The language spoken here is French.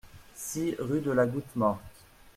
six rue de la Goutte Morte